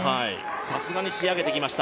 さすがに仕上げてきました。